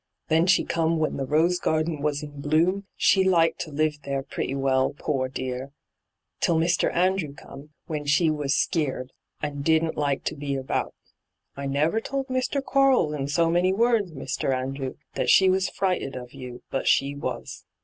Then she come when the rose garden was in bloom ; she liked to live there pretty well, poor dear 1 100 ENTRAPPED till Mr. Andrew come, when she was skeered, and didn't like to be about. I never told Mr. Quarles in so many words, Mr. Andrew, that she was frighted of yoa, but she was.